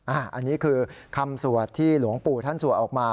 อันนี้คือคำสวดที่หลวงปู่ท่านสวดออกมา